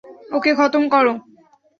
ওকে খতম করো!